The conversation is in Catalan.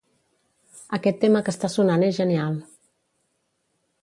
Aquest tema que està sonant és genial.